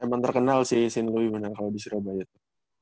emang terkenal sih sinlui menang kalau di surabaya itu